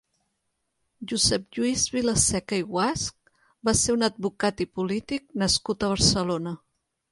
Josep Lluís Vilaseca i Guasch va ser un advocat i polític nascut a Barcelona.